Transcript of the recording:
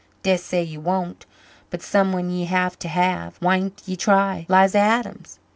"Dessay you won't. But someone ye have to have. Why'n't ye try 'Liza Adams.